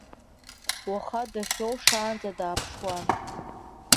Уаха дахьиоу шаанӡа дааԥшуан.